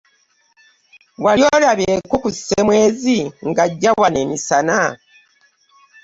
Wali olabyeko ku Ssemwezi ng'ajja wano emisana?